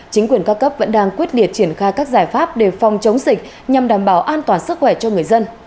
chính quyền ca cấp vẫn đang quyết liệt triển khai các giải pháp để phòng chống dịch nhằm đảm bảo an toàn sức khỏe cho người dân